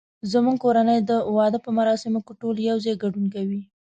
زمونږ کورنۍ د واده په مراسمو کې ټول یو ځای ګډون کوي